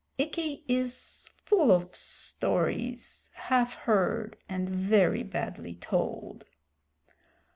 Ikki is full of stories half heard and very badly told."